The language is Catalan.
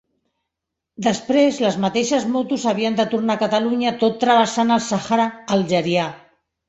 Després, les mateixes motos havien de tornar a Catalunya tot travessant el Sàhara algerià.